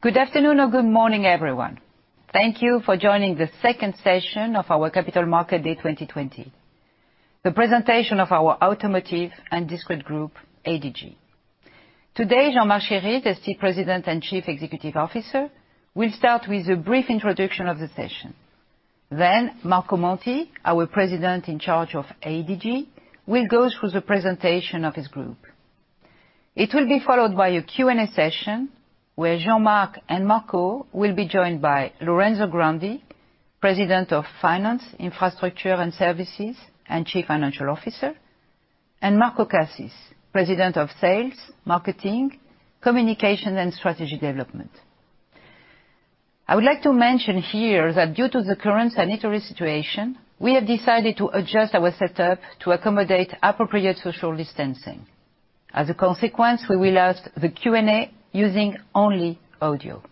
Good afternoon or good morning, everyone. Thank you for joining the second session of our Capital Market Day 2020, the presentation of our Automotive and Discrete Group, ADG. Today, Jean-Marc Chéry, the President and Chief Executive Officer, will start with a brief introduction of the session. Marco Monti, our President in charge of ADG, will go through the presentation of his group. It will be followed by a Q&A session where Jean-Marc and Marco will be joined by Lorenzo Grandi, President of Finance, Infrastructure and Services, and Chief Financial Officer, and Marco Cassis, President of Sales, Marketing, Communication, and Strategy Development. I would like to mention here that due to the current sanitary situation, we have decided to adjust our setup to accommodate appropriate social distancing. As a consequence, we will ask the Q&A using only audio.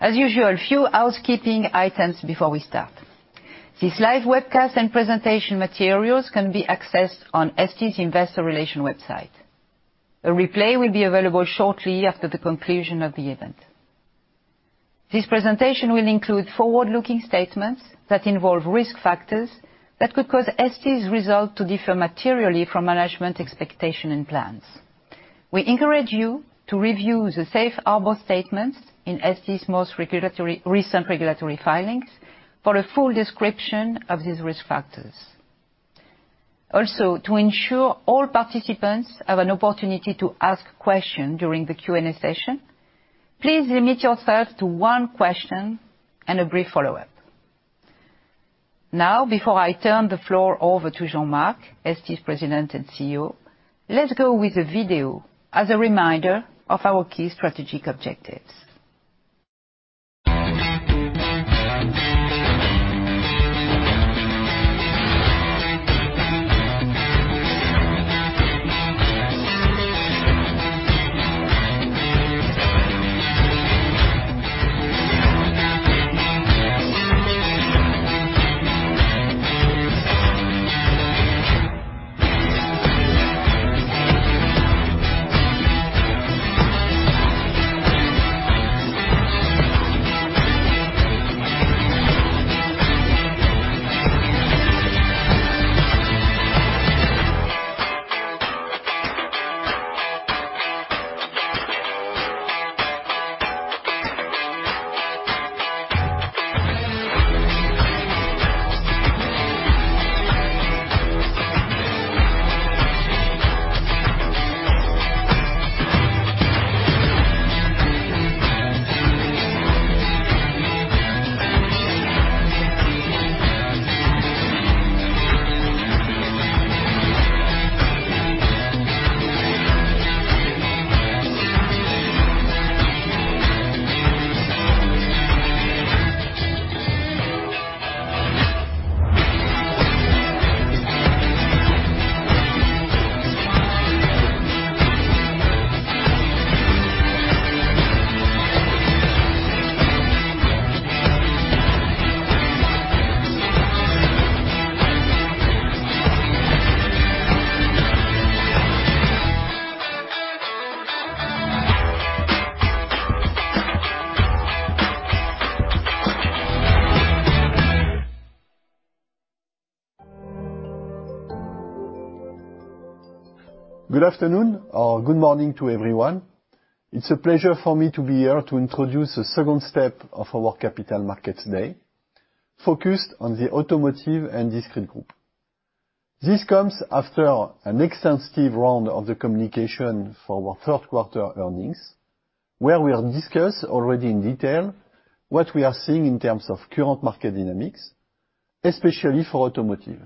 As usual, a few housekeeping items before we start. This live webcast and presentation materials can be accessed on ST's investor relation website. A replay will be available shortly after the conclusion of the event. This presentation will include forward-looking statements that involve risk factors that could cause ST's result to differ materially from management expectation and plans. We encourage you to review the safe harbor statements in ST's most recent regulatory filings for a full description of these risk factors. Also, to ensure all participants have an opportunity to ask questions during the Q&A session, please limit yourself to one question and a brief follow-up. Now, before I turn the floor over to Jean-Marc, ST's President and CEO, let's go with a video as a reminder of our key strategic objectives. Good afternoon or good morning to everyone. It's a pleasure for me to be here to introduce the second step of our Capital Markets Day, focused on the Automotive and Discrete Group. This comes after an extensive round of the communication for our third quarter earnings, where we have discussed already in detail what we are seeing in terms of current market dynamics, especially for automotive.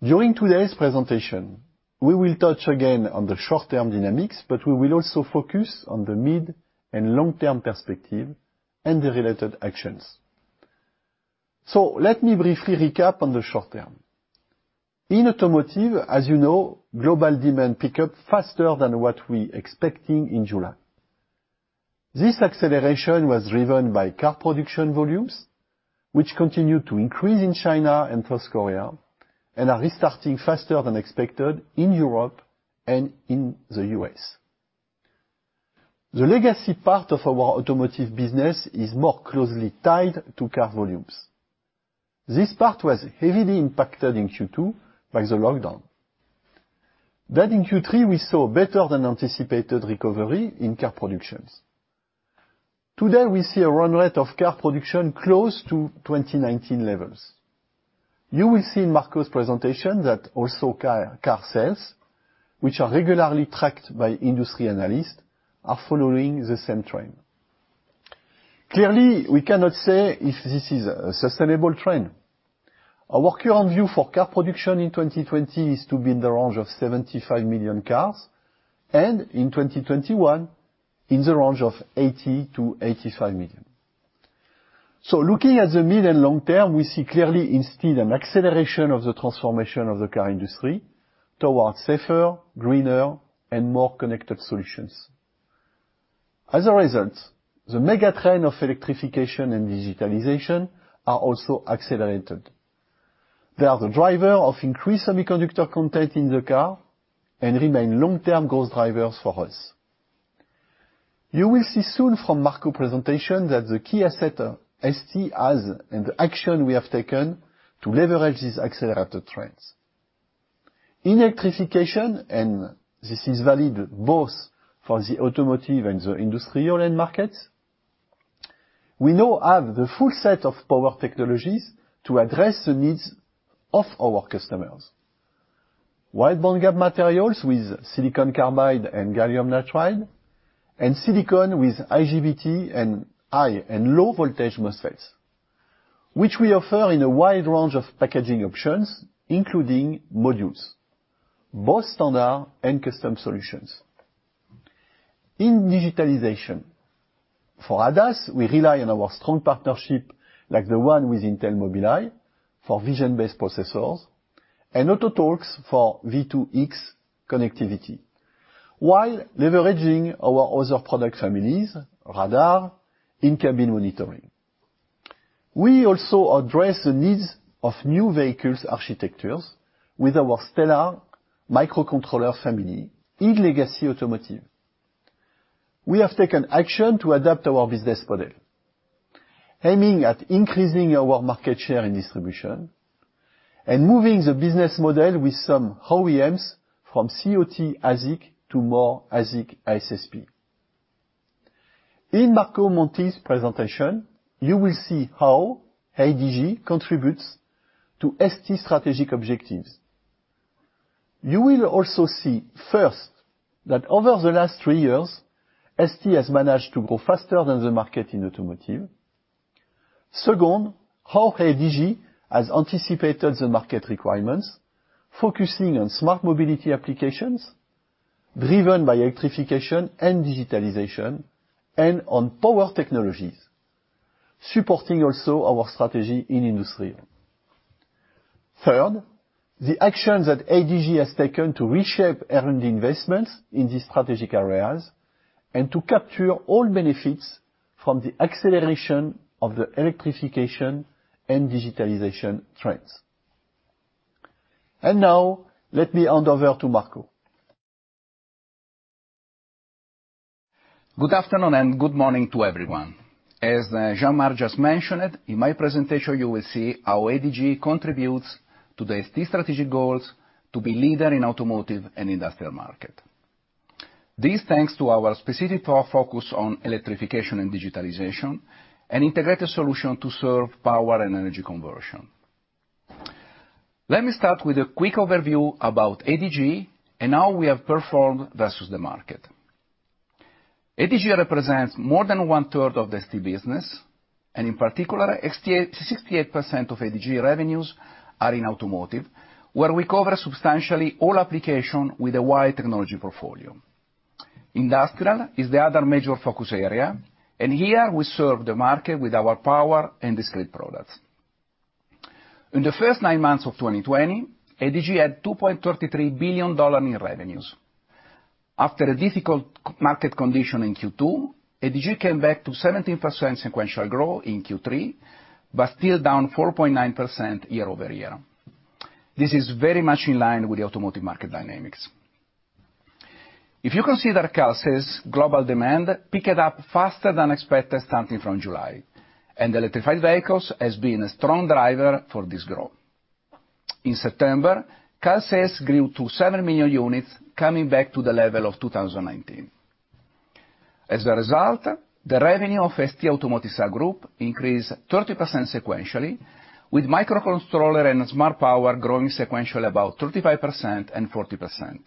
During today's presentation, we will touch again on the short-term dynamics, but we will also focus on the mid- and long-term perspective and the related actions. Let me briefly recap on the short term. In automotive, as you know, global demand picked up faster than what we expected in July. This acceleration was driven by car production volumes, which continued to increase in China and South Korea and are restarting faster than expected in Europe and in the U.S. The legacy part of our automotive business is more closely tied to car volumes. This part was heavily impacted in Q2 by the lockdown. In Q3, we saw better than anticipated recovery in car productions. Today, we see a run rate of car production close to 2019 levels. You will see in Marco's presentation that also car sales, which are regularly tracked by industry analysts, are following the same trend. Clearly, we cannot say if this is a sustainable trend. Our current view for car production in 2020 is to be in the range of 75 million cars, and in 2021, in the range of 80 million-85 million. Looking at the mid and long term, we see clearly instead an acceleration of the transformation of the car industry towards safer, greener, and more connected solutions. As a result, the mega trend of electrification and digitalization are also accelerated. They are the driver of increased semiconductor content in the car and remain long-term growth drivers for us. You will see soon from Marco presentation that the key asset ST has and the action we have taken to leverage these accelerator trends. In electrification, and this is valid both for the automotive and the industrial end markets, we now have the full set of power technologies to address the needs of our customers. Wide bandgap materials with silicon carbide and gallium nitride, and silicon with IGBT and high and low voltage MOSFETs, which we offer in a wide range of packaging options, including modules, both standard and custom solutions. In digitalization, for ADAS, we rely on our strong partnership like the one with Intel Mobileye for vision-based processors, and Autotalks for V2X connectivity, while leveraging our other product families, radar, in-cabin monitoring. We also address the needs of new vehicles architectures with our Stellar microcontroller family in legacy automotive. We have taken action to adapt our business model, aiming at increasing our market share and distribution, and moving the business model with some OEMs from COT ASIC to more ASIC ASSP. In Marco Monti's presentation, you will see how ADG contributes to ST strategic objectives. You will also see, first, that over the last three years, ST has managed to grow faster than the market in automotive. Second, how ADG has anticipated the market requirements, focusing on smart mobility applications driven by electrification and digitalization, and on power technologies, supporting also our strategy in industrial. Third, the actions that ADG has taken to reshape R&D investments in these strategic areas and to capture all benefits from the acceleration of the electrification and digitalization trends. Now, let me hand over to Marco. Good afternoon and good morning to everyone. As Jean-Marc just mentioned, in my presentation, you will see how ADG contributes to the ST strategic goals to be leader in automotive and industrial market. This, thanks to our specific core focus on electrification and digitalization, and integrated solution to serve power and energy conversion. Let me start with a quick overview about ADG and how we have performed versus the market. ADG represents more than one-third of the ST business, and in particular, 68% of ADG revenues are in automotive, where we cover substantially all application with a wide technology portfolio. Industrial is the other major focus area, and here we serve the market with our power and discrete products. In the first nine months of 2020, ADG had $2.33 billion in revenues. After a difficult market condition in Q2, ADG came back to 17% sequential growth in Q3, but still down 4.9% year-over-year. This is very much in line with the automotive market dynamics. If you consider car sales, global demand picked up faster than expected starting from July, and electrified vehicles has been a strong driver for this growth. In September, car sales grew to seven million units, coming back to the level of 2019. As a result, the revenue of ST automotive cell group increased 30% sequentially, with microcontroller and smart power growing sequentially about 35% and 40%,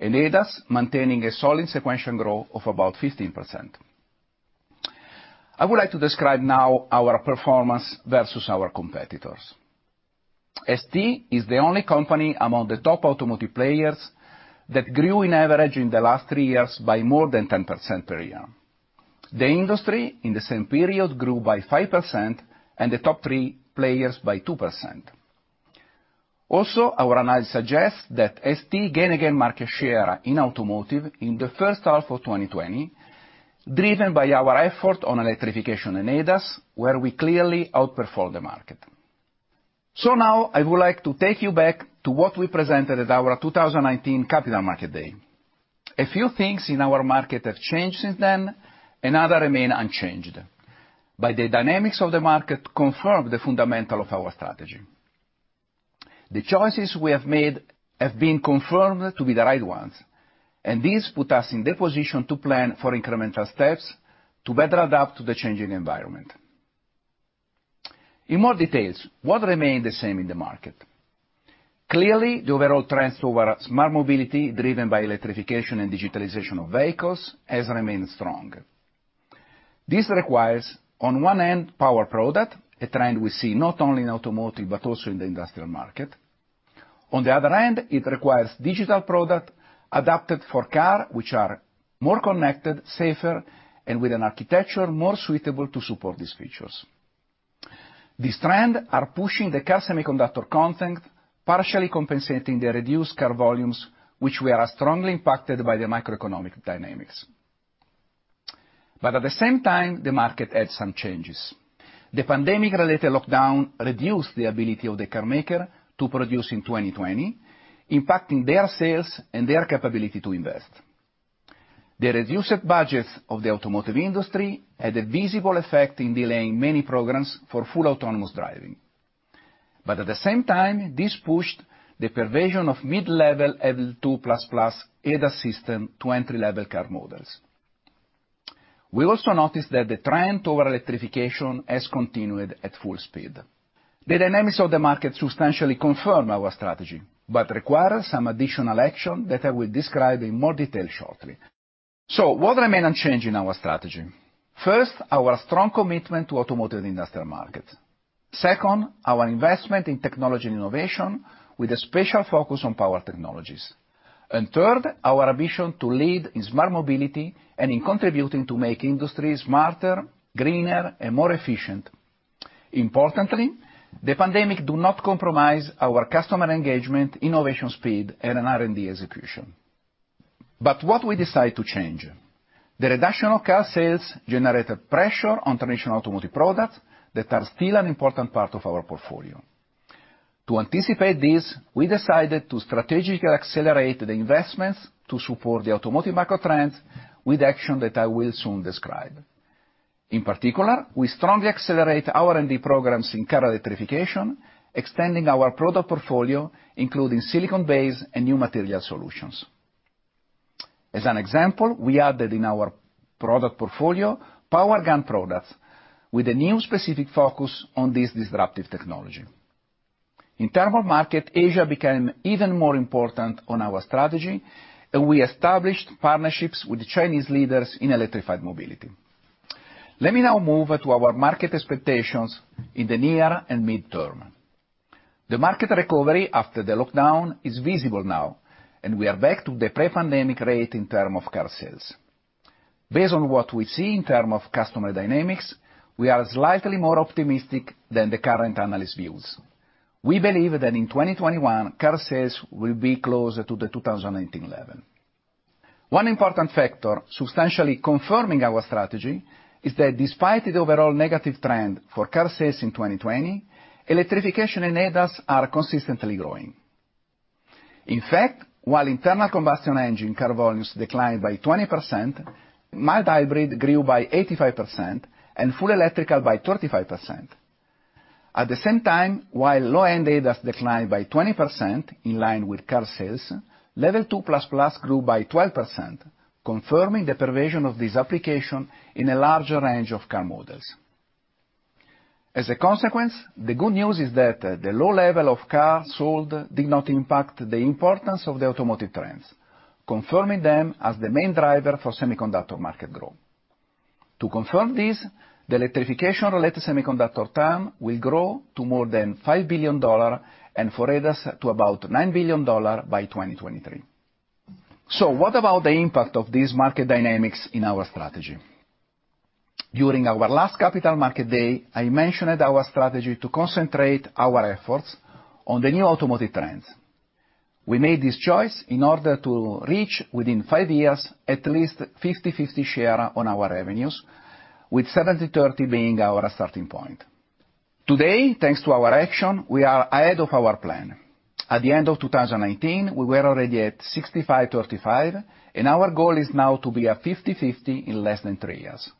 and ADAS maintaining a solid sequential growth of about 15%. I would like to describe now our performance versus our competitors. ST is the only company among the top automotive players that grew in average in the last three years by more than 10% per year. The industry, in the same period, grew by 5%, and the top three players by 2%. Our analysis suggests that ST gained again market share in automotive in the first half of 2020, driven by our effort on electrification and ADAS, where we clearly outperform the market. Now, I would like to take you back to what we presented at our 2019 Capital Market Day. A few things in our market have changed since then. Others remain unchanged. By the dynamics of the market confirm the fundamentals of our strategy. The choices we have made have been confirmed to be the right ones. This put us in the position to plan for incremental steps to better adapt to the changing environment. In more detail, what remained the same in the market? Clearly, the overall trends toward smart mobility driven by electrification and digitalization of vehicles has remained strong. This requires, on one end, power product, a trend we see not only in automotive but also in the industrial market. On the other end, it requires digital product adapted for car, which are more connected, safer, and with an architecture more suitable to support these features. These trend are pushing the car semiconductor content, partially compensating the reduced car volumes, which were strongly impacted by the macroeconomic dynamics. At the same time, the market had some changes. The pandemic-related lockdown reduced the ability of the car maker to produce in 2020, impacting their sales and their capability to invest. The reduced budgets of the automotive industry had a visible effect in delaying many programs for full autonomous driving. At the same time, this pushed the pervasion of mid-level L2++ ADAS system to entry-level car models. We also noticed that the trend toward electrification has continued at full speed. The dynamics of the market substantially confirm our strategy, but require some additional action that I will describe in more detail shortly. What remain unchanged in our strategy? First, our strong commitment to automotive industrial market. Second, our investment in technology and innovation with a special focus on power technologies. Third, our ambition to lead in smart mobility and in contributing to make industries smarter, greener, and more efficient. Importantly, the pandemic do not compromise our customer engagement, innovation speed, and our R&D execution. What we decide to change? The reduction of car sales generated pressure on traditional automotive products that are still an important part of our portfolio. To anticipate this, we decided to strategically accelerate the investments to support the automotive macro trends with action that I will soon describe. We strongly accelerate our R&D programs in car electrification, extending our product portfolio, including silicon-based and new material solutions. We added in our product portfolio power GaN products with a new specific focus on this disruptive technology. In terms of market, Asia became even more important on our strategy. We established partnerships with Chinese leaders in electrified mobility. Let me now move to our market expectations in the near and mid-term. The market recovery after the lockdown is visible now. We are back to the pre-pandemic rate in terms of car sales. Based on what we see in terms of customer dynamics, we are slightly more optimistic than the current analyst views. We believe that in 2021, car sales will be closer to the 2019 level. One important factor substantially confirming our strategy is that despite the overall negative trend for car sales in 2020, electrification and ADAS are consistently growing. In fact, while internal combustion engine car volumes declined by 20%, mild hybrid grew by 85% and full electrical by 25%. At the same time, while low-end ADAS declined by 20%, in line with car sales, Level 2++ grew by 12%, confirming the pervasion of this application in a larger range of car models. As a consequence, the good news is that the low level of cars sold did not impact the importance of the automotive trends, confirming them as the main driver for semiconductor market growth. To confirm this, the electrification-related semiconductor TAM will grow to more than $5 billion and for ADAS to about $9 billion by 2023. What about the impact of these market dynamics in our strategy? During our last Capital Market Day, I mentioned our strategy to concentrate our efforts on the new automotive trends. We made this choice in order to reach, within five years, at least 50/50 share on our revenues, with 70/30 being our starting point. Today, thanks to our action, we are ahead of our plan. At the end of 2019, we were already at 65/35, and our goal is now to be at 50/50 in less than three years.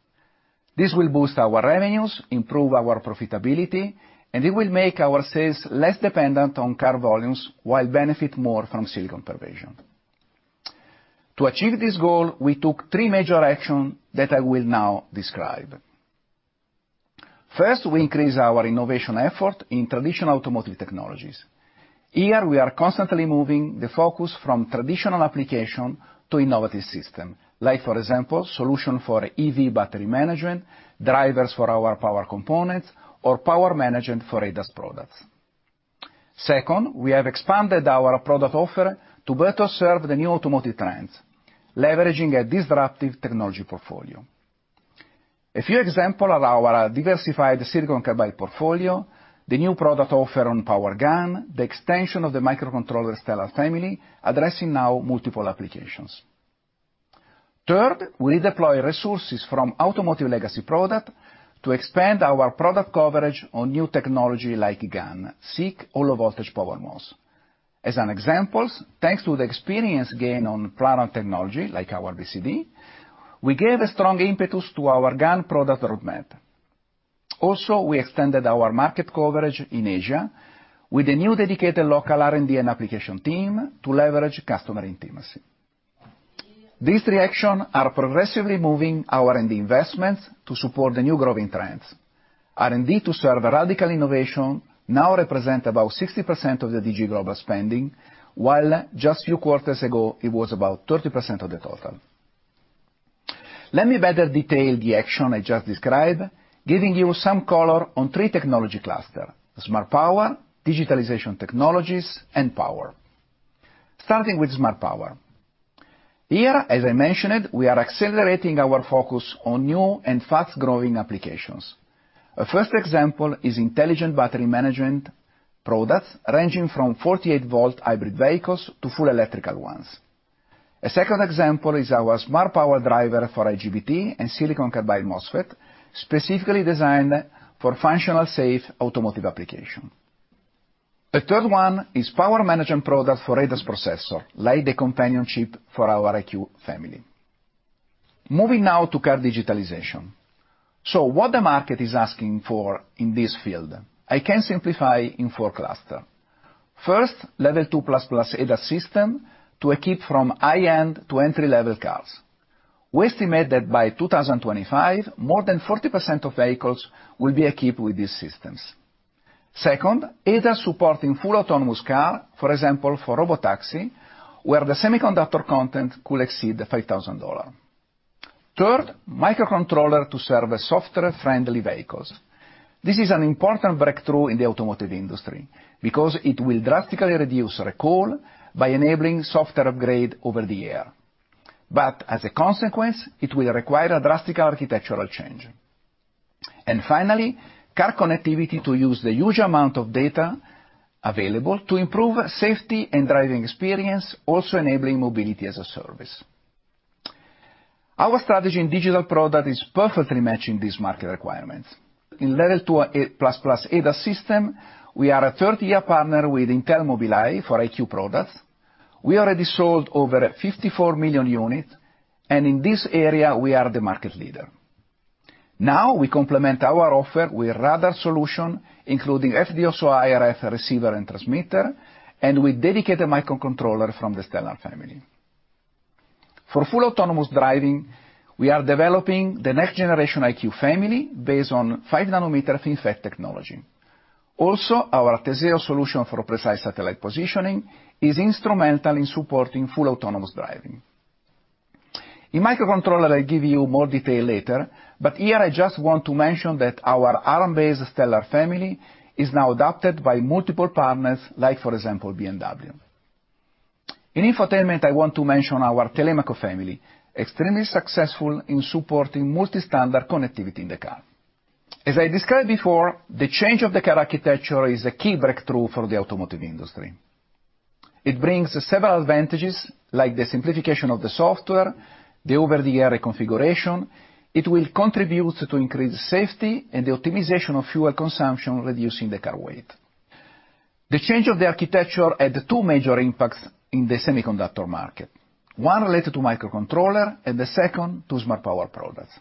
This will boost our revenues, improve our profitability, and it will make our sales less dependent on car volumes while benefit more from silicon pervasion. To achieve this goal, we took three major actions that I will now describe. First, we increase our innovation effort in traditional automotive technologies. Here, we are constantly moving the focus from traditional applications to innovative systems. Like, for example, solutions for EV battery management, drivers for our power components, or power management for ADAS products. Second, we have expanded our product offer to better serve the new automotive trends, leveraging a disruptive technology portfolio. A few examples are our diversified silicon carbide portfolio, the new product offer on power GaN, the extension of the microcontroller Stellar family, addressing now multiple applications. Third, we deploy resources from automotive legacy products to expand our product coverage on new technologies like GaN, SiC, low voltage PowerMOS. As an example, thanks to the experience gain on planar technology, like our BCD, we gave a strong impetus to our GaN product roadmap. We extended our market coverage in Asia with a new dedicated local R&D and application team to leverage customer intimacy. These three action are progressively moving our R&D investments to support the new growing trends. R&D, to serve radical innovation, now represent about 60% of the ADG global spending, while just few quarters ago, it was about 30% of the total. Let me better detail the action I just described, giving you some color on three technology cluster: smart power, digitalization technologies, and power. Starting with smart power. Here, as I mentioned, we are accelerating our focus on new and fast-growing applications. A first example is intelligent battery management products ranging from 48-volt hybrid vehicles to full electrical ones. A second example is our smart power driver for IGBT and silicon carbide MOSFET, specifically designed for functional safe automotive application. A third one is power management product for ADAS processor, like the companion chip for our EyeQ family. Moving now to car digitalization. What the market is asking for in this field, I can simplify in four cluster. First, Level 2++ ADAS system to equip from high-end to entry-level cars. We estimate that by 2025, more than 40% of vehicles will be equipped with these systems. Second, ADAS supporting full autonomous car, for example, for robotaxi, where the semiconductor content could exceed $5,000. Third, microcontroller to serve software-friendly vehicles. This is an important breakthrough in the automotive industry because it will drastically reduce recall by enabling software upgrade over the air. As a consequence, it will require a drastic architectural change. Finally, car connectivity to use the huge amount of data available to improve safety and driving experience, also enabling mobility as a service. Our strategy in digital product is perfectly matching these market requirements. In Level 2++ ADAS system, we are a 30-year partner with Intel Mobileye for EyeQ products. We already sold over 54 million units. In this area, we are the market leader. We complement our offer with radar solution, including FD-SOI RF receiver and transmitter, and with dedicated microcontroller from the Stellar family. For full autonomous driving, we are developing the next generation EyeQ family based on five nanometer FinFET technology. Our Teseo solution for precise satellite positioning is instrumental in supporting full autonomous driving. In microcontroller, I'll give you more detail later. Here I just want to mention that our Arm-based Stellar family is now adopted by multiple partners, like for example, BMW. In infotainment, I want to mention our Telemaco family, extremely successful in supporting multi-standard connectivity in the car. As I described before, the change of the car architecture is a key breakthrough for the automotive industry. It brings several advantages, like the simplification of the software, the over-the-air reconfiguration. It will contribute to increased safety and the optimization of fuel consumption, reducing the car weight. The change of the architecture had two major impacts in the semiconductor market, one related to microcontroller, and the second to smart power products.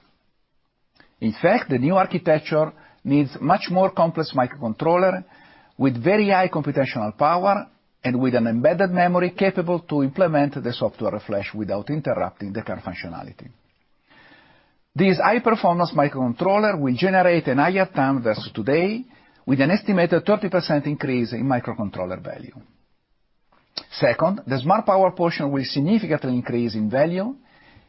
In fact, the new architecture needs much more complex microcontroller with very high computational power and with an embedded memory capable to implement the software flash without interrupting the car functionality. This high-performance microcontroller will generate an higher TAM versus today with an estimated 30% increase in microcontroller value. Second, the smart power portion will significantly increase in value.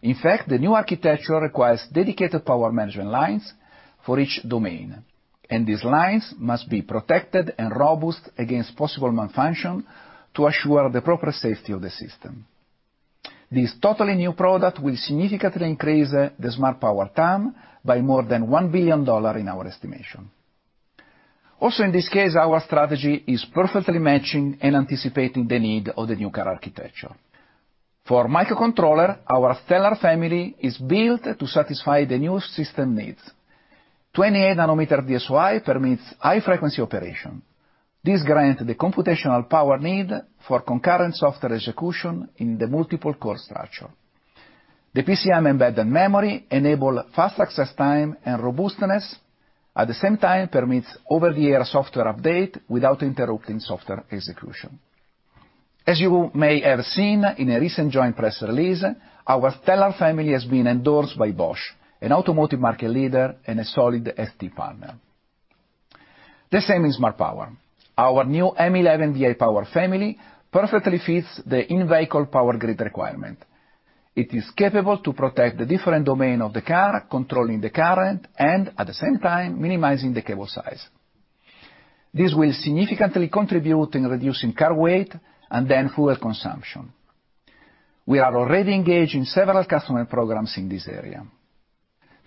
The new architecture requires dedicated power management lines for each domain, and these lines must be protected and robust against possible malfunction to assure the proper safety of the system. This totally new product will significantly increase the smart power TAM by more than $1 billion in our estimation. In this case, our strategy is perfectly matching and anticipating the need of the new car architecture. For microcontroller, our Stellar family is built to satisfy the new system needs. 28 nanometer FD-SOI permits high-frequency operation. This grant the computational power need for concurrent software execution in the multiple core structure. The PCM embedded memory enable fast access time and robustness, at the same time, permits over-the-air software update without interrupting software execution. As you may have seen in a recent joint press release, our Stellar family has been endorsed by Bosch, an automotive market leader and a solid ST partner. The same in smart power. Our new M11 VIPower family perfectly fits the in-vehicle power grid requirement. It is capable to protect the different domain of the car, controlling the current, and at the same time, minimizing the cable size. This will significantly contribute in reducing car weight and then fuel consumption. We are already engaged in several customer programs in this area.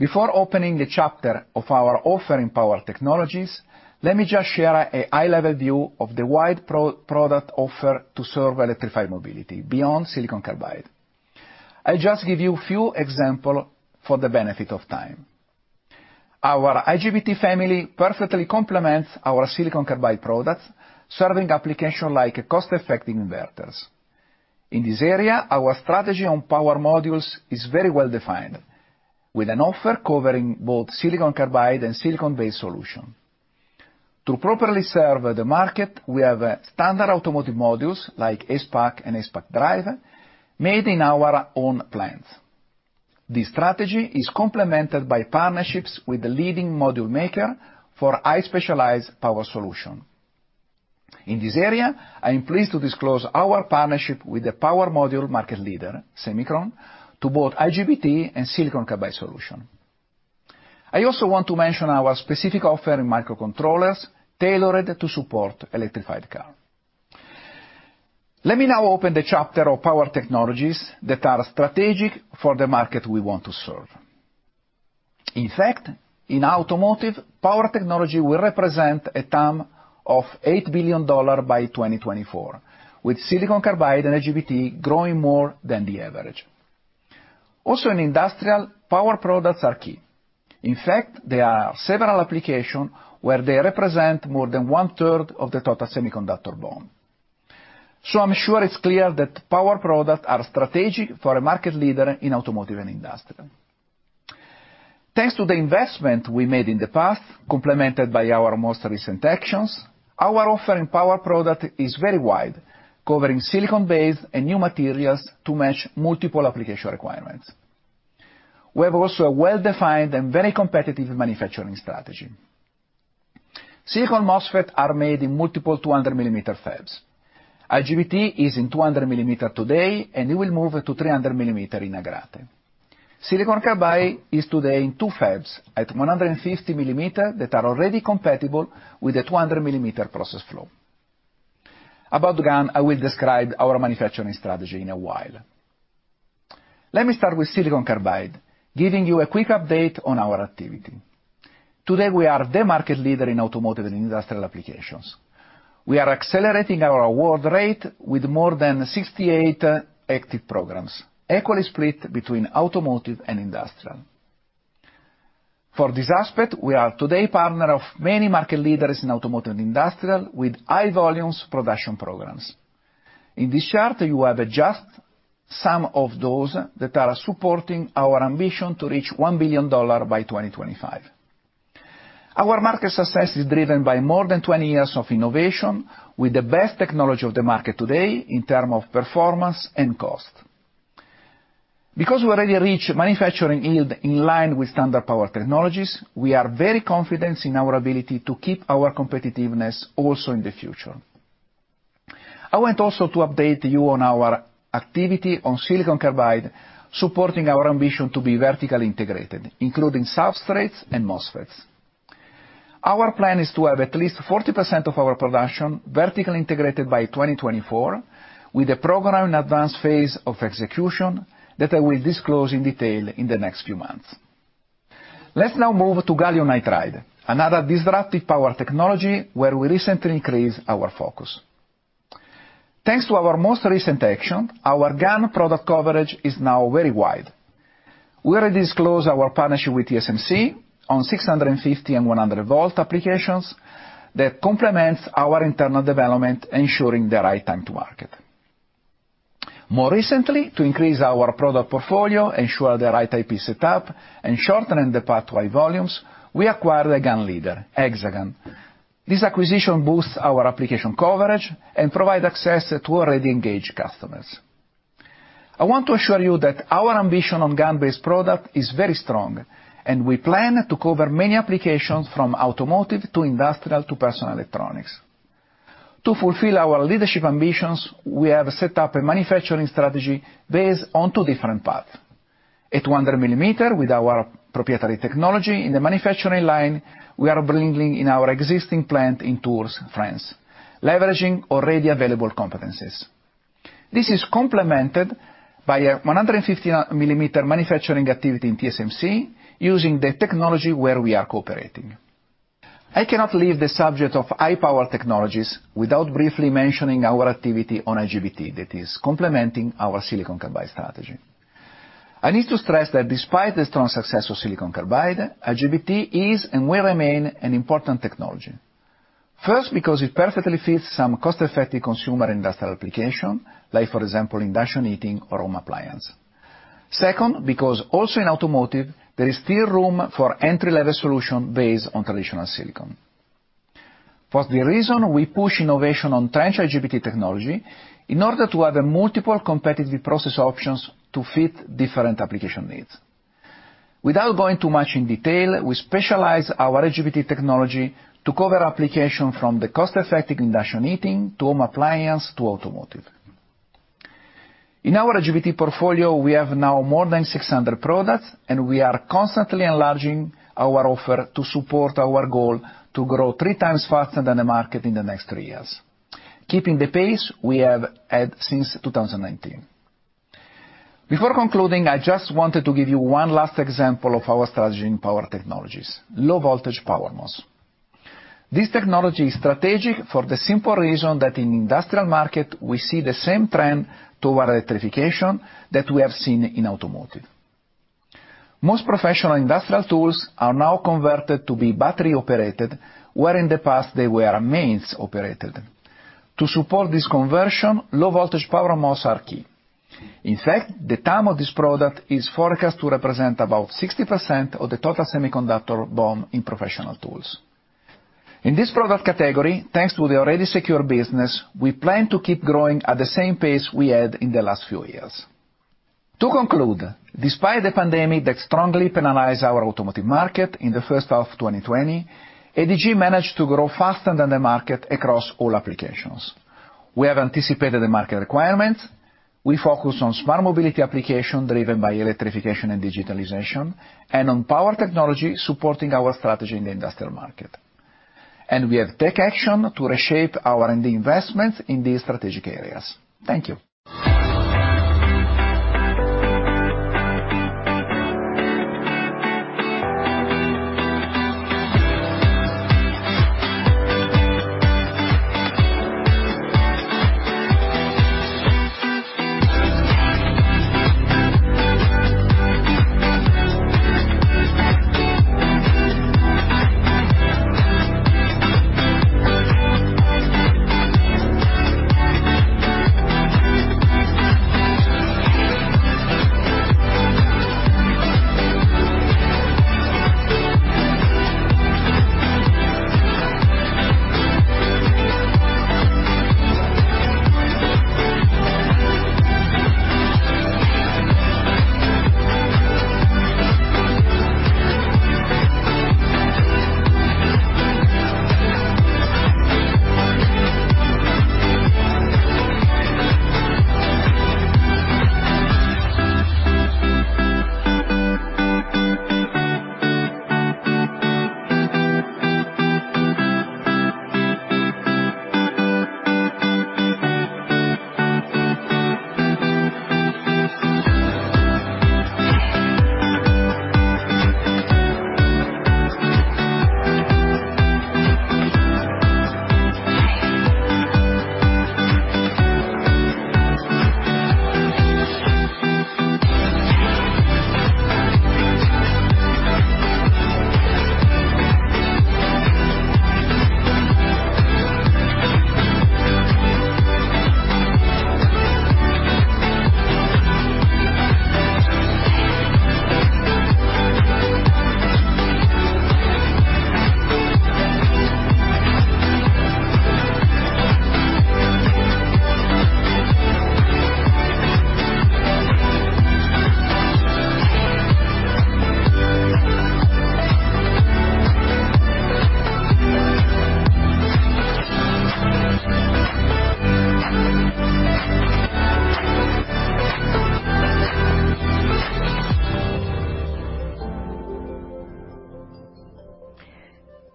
Before opening the chapter of our offer in power technologies, let me just share a high-level view of the wide product offer to serve electrified mobility beyond silicon carbide. I'll just give you few example for the benefit of time. Our IGBT family perfectly complements our silicon carbide products, serving application like cost-effective inverters. In this area, our strategy on power modules is very well-defined, with an offer covering both silicon carbide and silicon-based solution. To properly serve the market, we have standard automotive modules like ACEPACK and ACEPACK DRIVE made in our own plants. This strategy is complemented by partnerships with the leading module maker for high specialized power solution. In this area, I am pleased to disclose our partnership with the power module market leader, Semikron, to both IGBT and silicon carbide solution. I also want to mention our specific offer in microcontrollers tailored to support electrified car. Let me now open the chapter of power technologies that are strategic for the market we want to serve. In fact, in automotive, power technology will represent a TAM of $8 billion by 2024, with silicon carbide and IGBT growing more than the average. Also in industrial, power products are key. In fact, there are several applications where they represent more than one-third of the total semiconductor bond. I'm sure it's clear that power products are strategic for a market leader in automotive and industrial. Thanks to the investment we made in the past, complemented by our most recent actions, our offer in power product is very wide, covering silicon-based and new materials to match multiple application requirements. We have also a well-defined and very competitive manufacturing strategy. Silicon MOSFET are made in multiple 200 millimeter fabs. IGBT is in 200 millimeter today, and it will move to 300 millimeter in Agrate. Silicon carbide is today in two fabs at 150 millimeter that are already compatible with a 100 millimeter process flow. About GaN, I will describe our manufacturing strategy in a while. Let me start with silicon carbide, giving you a quick update on our activity. Today, we are the market leader in automotive and industrial applications. We are accelerating our award rate with more than 68 active programs, equally split between automotive and industrial. For this aspect, we are today partner of many market leaders in automotive and industrial with high volumes production programs. In this chart, you have just some of those that are supporting our ambition to reach $1 billion by 2025. Our market success is driven by more than 20 years of innovation with the best technology of the market today in term of performance and cost. We already reached manufacturing yield in line with standard power technologies, we are very confident in our ability to keep our competitiveness also in the future. I want also to update you on our activity on silicon carbide, supporting our ambition to be vertically integrated, including substrates and MOSFETs. Our plan is to have at least 40% of our production vertically integrated by 2024 with a program in advance phase of execution that I will disclose in detail in the next few months. Let's now move to gallium nitride, another disruptive power technology where we recently increased our focus. Thanks to our most recent action, our GaN product coverage is now very wide. We already disclose our partnership with TSMC on 650 and 100-volt applications that complements our internal development, ensuring the right time to market. More recently, to increase our product portfolio, ensure the right IP setup, and shortening the pathway volumes, we acquired a GaN leader, Exagan. This acquisition boosts our application coverage and provide access to already engaged customers. I want to assure you that our ambition on GaN-based product is very strong, and we plan to cover many applications from automotive to industrial to personal electronics. To fulfill our leadership ambitions, we have set up a manufacturing strategy based on two different paths. At 200 millimeter with our proprietary technology in the manufacturing line, we are bringing in our existing plant in Tours, France, leveraging already available competencies. This is complemented by a 150-millimeter manufacturing activity in TSMC using the technology where we are cooperating. I cannot leave the subject of high power technologies without briefly mentioning our activity on IGBT that is complementing our silicon carbide strategy. I need to stress that despite the strong success of silicon carbide, IGBT is and will remain an important technology. First, because it perfectly fits some cost-effective consumer industrial application, like for example, induction heating or home appliance. Second, because also in automotive, there is still room for entry-level solution based on traditional silicon. For the reason we push innovation on trench IGBT technology in order to have a multiple competitive process options to fit different application needs. Without going too much in detail, we specialize our IGBT technology to cover application from the cost-effective induction heating to home appliance to automotive. In our IGBT portfolio, we have now more than 600 products, and we are constantly enlarging our offer to support our goal to grow three times faster than the market in the next three years, keeping the pace we have had since 2019. Before concluding, I just wanted to give you one last example of our strategy in power technologies, low voltage PowerMOS. This technology is strategic for the simple reason that in industrial market, we see the same trend toward electrification that we have seen in automotive. Most professional industrial tools are now converted to be battery-operated, where in the past they were mains operated. To support this conversion, low voltage Power MOSFET are key. In fact, the TAM of this product is forecast to represent about 60% of the total semiconductor bond in professional tools. In this product category, thanks to the already secure business, we plan to keep growing at the same pace we had in the last few years. To conclude, despite the pandemic that strongly penalized our automotive market in the first half of 2020, ADG managed to grow faster than the market across all applications. We have anticipated the market requirements. We focus on smart mobility application driven by electrification and digitalization, and on power technology supporting our strategy in the industrial market. We have take action to reshape our R&D investments in these strategic areas. Thank you.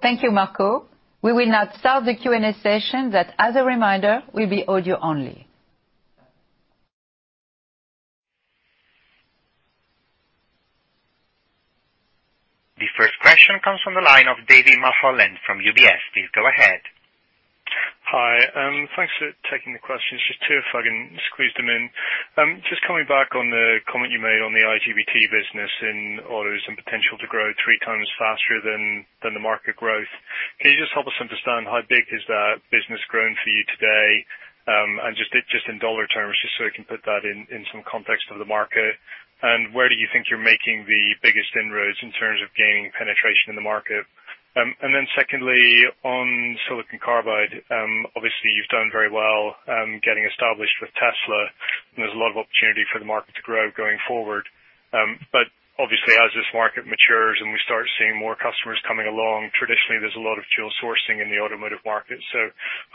Thank you, Marco. We will now start the Q&A session that, as a reminder, will be audio only. The first question comes from the line of David Mulholland from UBS. Please go ahead. Hi. Thanks for taking the questions. Just two, if I can squeeze them in. Just coming back on the comment you made on the IGBT business in autos and potential to grow three times faster than the market growth. Can you just help us understand how big has that business grown for you today? Just in dollar terms, just so we can put that in some context of the market. Where do you think you're making the biggest inroads in terms of gaining penetration in the market? Secondly, on silicon carbide, obviously you've done very well getting established with Tesla, and there's a lot of opportunity for the market to grow going forward. Obviously, as this market matures and we start seeing more customers coming along, traditionally, there's a lot of dual sourcing in the automotive market.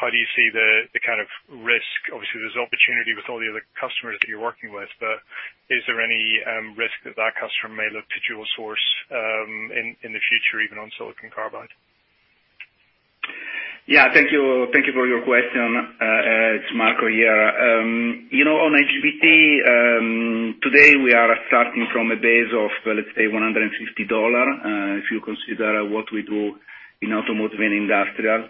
How do you see the kind of risk? Obviously, there's opportunity with all the other customers that you're working with, but is there any risk that that customer may look to dual source in the future, even on silicon carbide? Yeah, thank you for your question. It's Marco here. On IGBT, today we are starting from a base of, let's say, $150, if you consider what we do in automotive and industrial.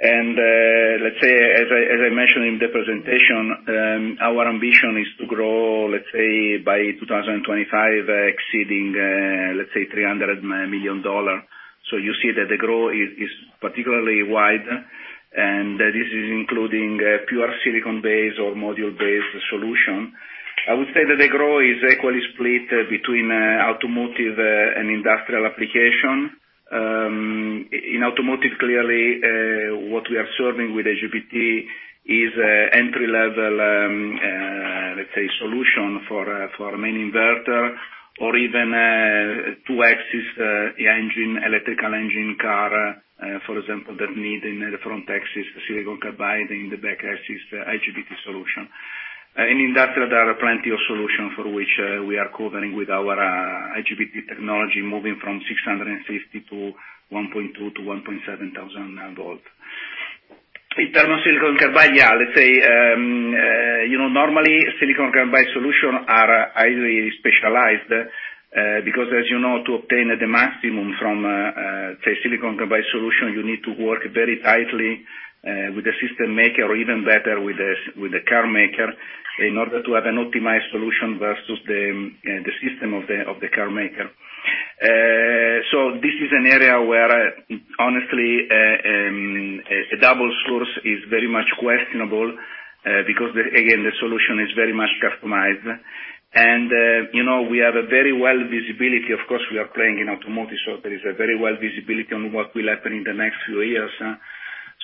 Let's say, as I mentioned in the presentation, our ambition is to grow, let's say, by 2025, exceeding let's say, $300 million. You see that the growth is particularly wide, and this is including pure silicon-based or module-based solution. I would say that the growth is equally split between automotive and industrial application. In automotive, clearly, what we are serving with IGBT is entry level, let's say, solution for our main inverter or even to access the electrical engine car, for example, that need in the front axle silicon carbide, in the back axle, the IGBT solution. In industrial, there are plenty of solutions for which we are covering with our IGBT technology, moving from 650 to 1.2 to 1.7 thousand volt. In terms of silicon carbide, let's say, normally silicon carbide solutions are highly specialized, because as you know, to obtain the maximum from, say, silicon carbide solution, you need to work very tightly with the system maker or even better with the car maker in order to have an optimized solution versus the system of the car maker. This is an area where, honestly, a double source is very much questionable because again, the solution is very much customized. We have a very well visibility. Of course, we are playing in automotive, there is a very well visibility on what will happen in the next few years.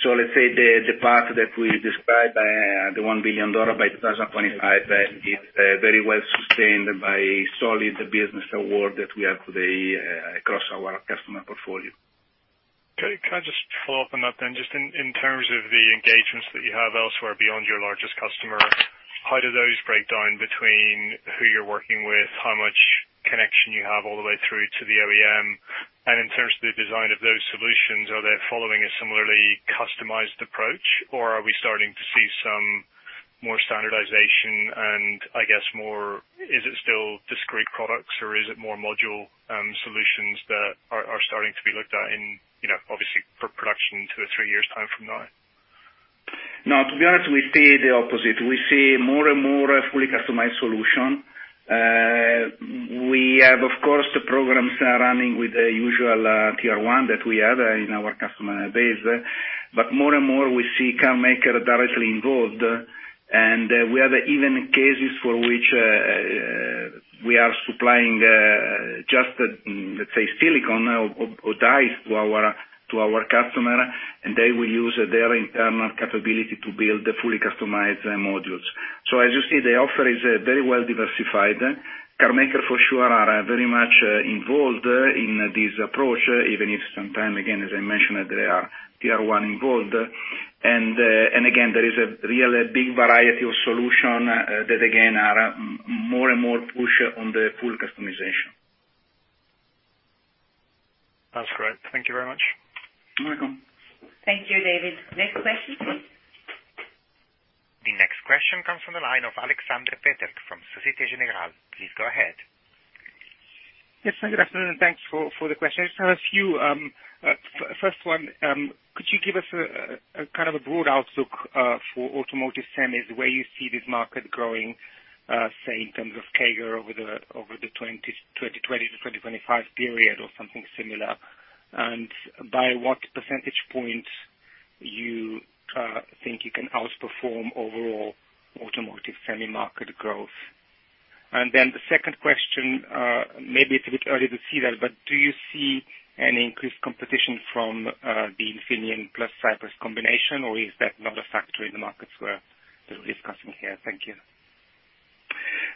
Let's say the part that we described, the $1 billion by 2025, is very well sustained by solid business award that we have today across our customer portfolio. Okay. Can I just follow up on that then? Just in terms of the engagements that you have elsewhere beyond your largest customer? How do those break down between who you're working with, how much connection you have all the way through to the OEM? In terms of the design of those solutions, are they following a similarly customized approach, or are we starting to see some more standardization and is it still discrete products, or is it more module solutions that are starting to be looked at in, obviously, for production two or three years' time from now? No, to be honest, we see the opposite. We see more and more fully customized solution. We have, of course, the programs running with the usual Tier 1 that we have in our customer base. More and more we see car maker directly involved, and we have even cases for which we are supplying just the, let's say, silicon or dies to our customer, and they will use their internal capability to build the fully customized modules. As you see, the offer is very well diversified. Car maker for sure are very much involved in this approach, even if sometime, again, as I mentioned, they are Tier 1 involved. Again, there is a really big variety of solution that again, are more and more push on the full customization. That's great. Thank you very much. Welcome. Thank you, David. Next question, please. The next question comes from the line of Aleksander Peterc from Societe Generale. Please go ahead. Yes, good afternoon. Thanks for the question. I just have a few. First one, could you give us a kind of a broad outlook for automotive semis, where you see this market growing, say, in terms of CAGR over the 2020 to 2025 period or something similar? By what percentage point you think you can outperform overall automotive semi market growth? The second question, maybe it's a bit early to see that, but do you see any increased competition from the Infineon plus Cypress combination, or is that not a factor in the markets we're discussing here? Thank you.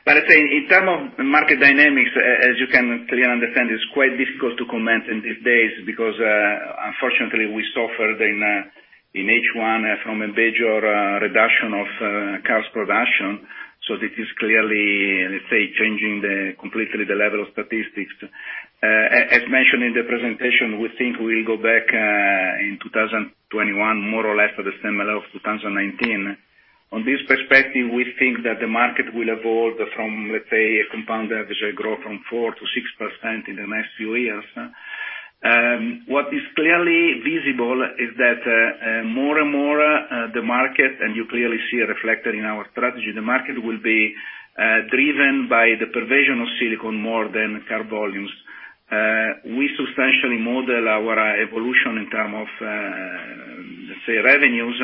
Aleksander, in term of market dynamics, as you can clearly understand, it's quite difficult to comment in these days because, unfortunately, we suffered in H1 from a major reduction of cars production. This is clearly, let's say, changing completely the level of statistics. As mentioned in the presentation, we think we'll go back, in 2021, more or less to the similar of 2019. On this perspective, we think that the market will evolve from, let's say, a compound average growth from 4% to 6% in the next few years. What is clearly visible is that, more and more, the market, and you clearly see it reflected in our strategy, the market will be driven by the provision of silicon more than car volumes. We substantially model our evolution in terms of, let's say, revenues,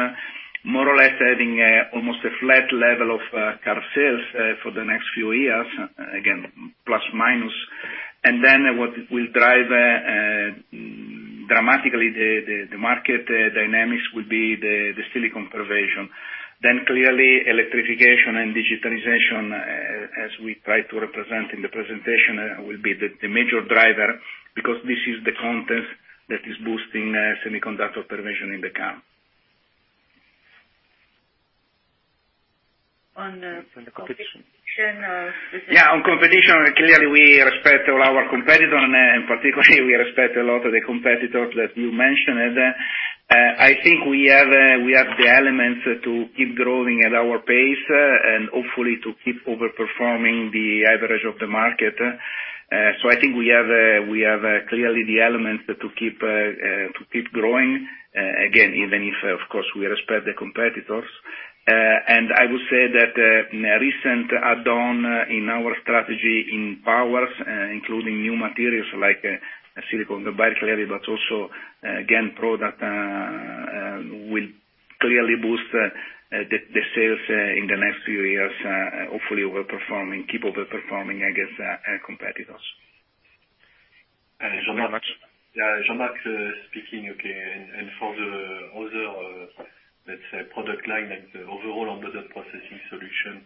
more or less having almost a flat level of car sales for the next few years, again, plus, minus. What will drive dramatically the market dynamics will be the silicon provision. Clearly, electrification and digitalization, as we try to represent in the presentation, will be the major driver because this is the content that is boosting semiconductor provision in the car. On the competition. Yeah, on competition, clearly, we respect all our competitor, and particularly, we respect a lot of the competitors that you mentioned. I think we have the elements to keep growing at our pace, and hopefully, to keep overperforming the average of the market. I think we have clearly the elements to keep growing, again, even if, of course, we respect the competitors. I would say that in a recent add-on in our strategy in powers, including new materials like silicon carbide, clearly, but also GaN product, will clearly boost the sales in the next few years. Hopefully overperforming, keep overperforming against competitors. Thank you very much. Yeah, Jean-Marc speaking. Okay. For the other, let's say, product line and the overall under the processing solution,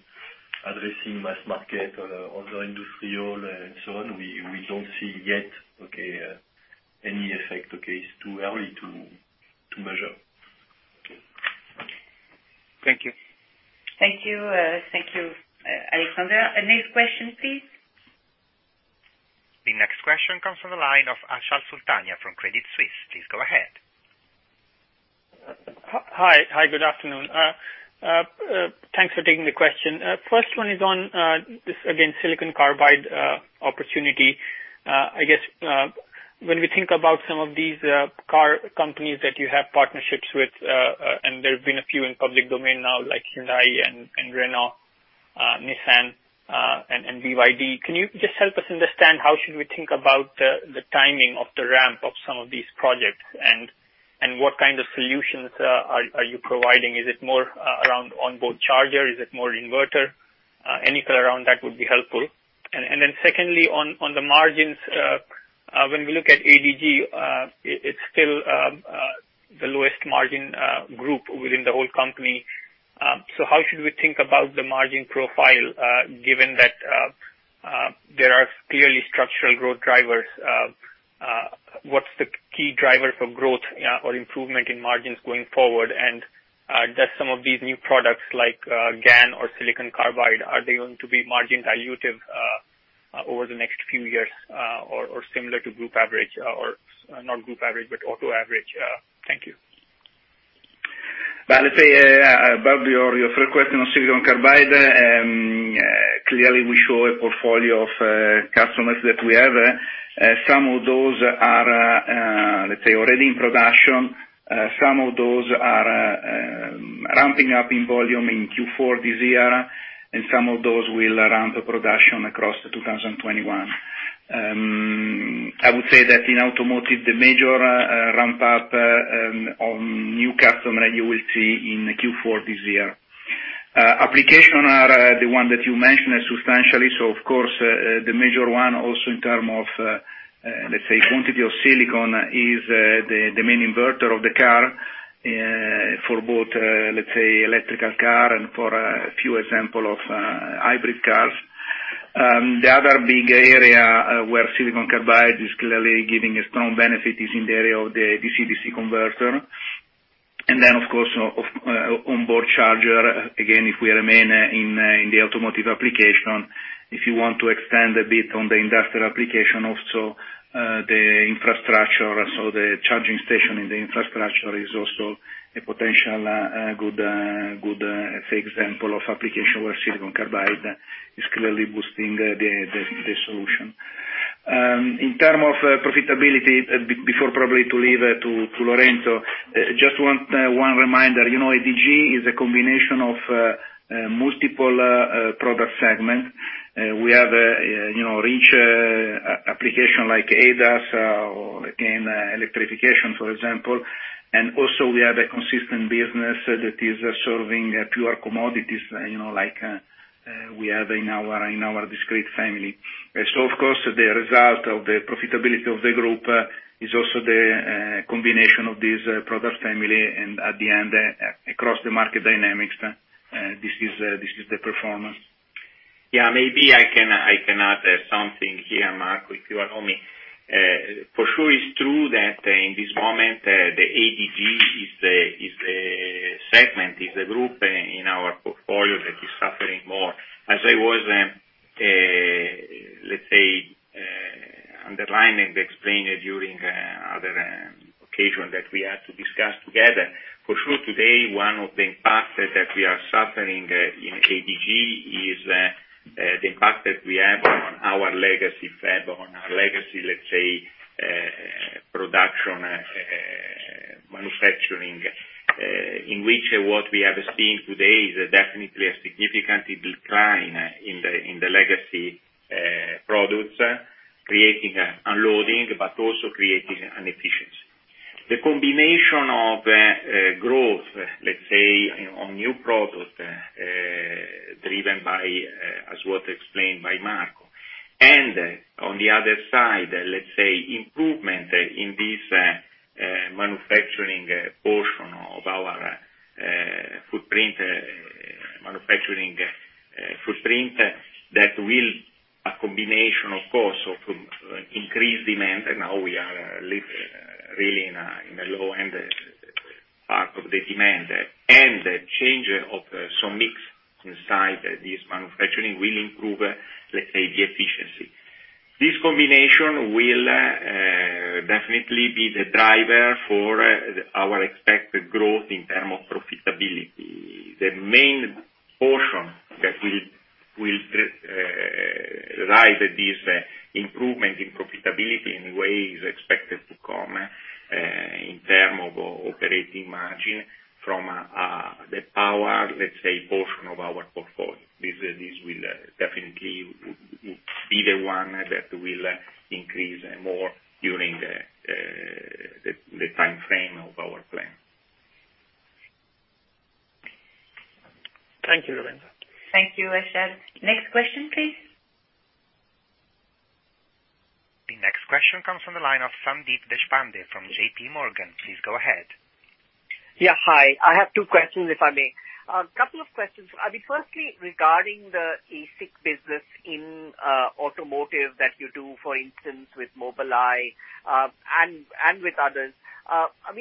addressing mass market or other industrial and so on, we don't see yet any effect. It's too early to measure. Okay. Thank you. Thank you, Aleksander. Next question, please. The next question comes from the line of Achal Sultania from Credit Suisse. Please go ahead. Hi, good afternoon. Thanks for taking the question. First one is on this, again, silicon carbide opportunity. I guess, when we think about some of these car companies that you have partnerships with, and there have been a few in public domain now, like Hyundai and Renault, Nissan, and BYD. Can you just help us understand how should we think about the timing of the ramp of some of these projects and what kind of solutions are you providing? Is it more around onboard charger? Is it more inverter? Any color around that would be helpful. Secondly, on the margins, when we look at ADG, it's still the lowest margin group within the whole company. How should we think about the margin profile, given that there are clearly structural growth drivers? What's the key driver for growth or improvement in margins going forward? Does some of these new products like GaN or silicon carbide, are they going to be margin dilutive over the next few years or similar to group average, or not group average, but auto average? Thank you. Well, let's say, about your first question on silicon carbide. Clearly, we show a portfolio of customers that we have. Some of those are, let's say, already in production. Some of those are ramping up in volume in Q4 this year, and some of those will ramp to production across 2021. I would say that in automotive, the major ramp up on new customer, you will see in Q4 this year. Application are the one that you mentioned substantially, so of course, the major one also in term of, let's say, quantity of silicon is the main inverter of the car, for both, let's say, electrical car and for a few example of hybrid cars. The other big area where silicon carbide is clearly giving a strong benefit is in the area of the DC-DC converter. Of course, on-board charger, again, if we remain in the automotive application. If you want to extend a bit on the industrial application, also, the infrastructure, so the charging station and the infrastructure is also a potential good, say, example of application where silicon carbide is clearly boosting the solution. In terms of profitability, before probably to leave to Lorenzo, just one reminder. ADG is a combination of multiple product segments. We have rich application like ADAS or, again, electrification, for example, and also we have a consistent business that is serving pure commodities, like we have in our Discrete family. Of course, the result of the profitability of the group is also the combination of these product families, and at the end, across the market dynamics, this is the performance. Yeah. Maybe I can add something here, Marco, if you allow me. For sure, it's true that in this moment, the ADG is a segment, is a group in our portfolio that is suffering more. As I was, let's say, underlining, explaining during other occasion that we had to discuss together. For sure, today, one of the impacts that we are suffering in ADG is the impact that we have on our legacy, let's say, production manufacturing, in which what we have seen today is definitely a significant decline in the legacy products, creating unloading, but also creating an efficiency. The combination of growth, let's say, on new product, driven by, as what explained by Marco, and on the other side, let's say, improvement in this manufacturing portion of our manufacturing footprint, that will a combination, of course, of increased demand. Now, we are at least, really in a low end part of the demand. The change of some mix inside this manufacturing will improve, let's say, the efficiency. This combination will definitely be the driver for our expected growth in term of profitability. The main portion that will drive this improvement in profitability, in a way, is expected to come, in term of operating margin from the power, let's say, portion of our portfolio. This will definitely be the one that will increase more during the timeframe of our plan. Thank you, Lorenzo. Thank you, Achal. Next question, please. The next question comes from the line of Sandeep Deshpande from JPMorgan. Please go ahead. Yeah. Hi. I have two questions, if I may. A couple of questions. Firstly, regarding the ASIC business in automotive that you do, for instance, with Mobileye, and with others. How do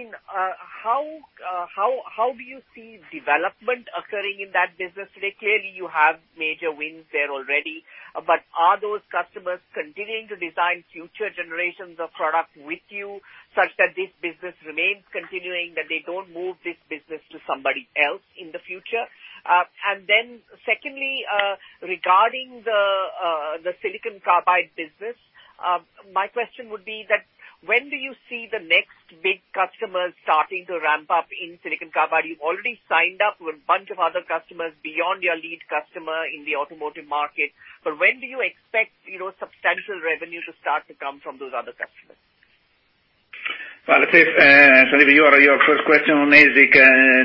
you see development occurring in that business? Clearly, you have major wins there already. Are those customers continuing to design future generations of product with you, such that this business remains continuing, that they don't move this business to somebody else in the future? Secondly, regarding the silicon carbide business, my question would be that, when do you see the next big customers starting to ramp up in silicon carbide? You've already signed up with a bunch of other customers beyond your lead customer in the automotive market. When do you expect substantial revenue to start to come from those other customers? Well, let's see, Sandeep, your first question on ASIC.